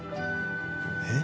えっ？